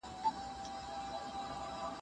که حسد ونه کړو نو زړه نه تورېږي.